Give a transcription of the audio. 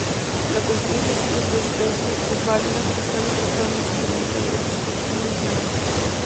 La cuestión de si esta especie es válida está actualmente pendiente de escrutinio adicional.